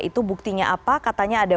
itu buktinya apa katanya ada